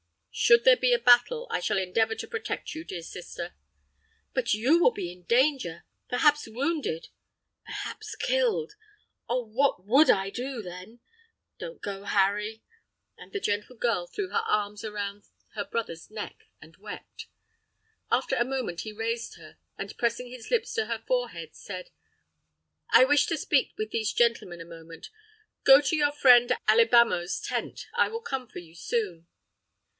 "Should there be a battle, I shall endeavor to protect you, dear sister." "But, you will be in danger; perhaps wounded—perhaps killed! Oh! what would I do, then? Don't go, Harry!" and the gentle girl threw her arms around her brother's neck and wept. After a moment, he raised her, and pressing his lips to her forehead, said: "I wish to speak with these gentlemen a moment. Go to your friend Alibamo's tent. I will come for you, soon!"